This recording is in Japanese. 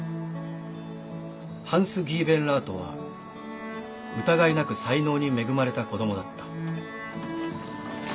ハンス・ギーベンラートは疑いなく才能に恵まれた子供だった。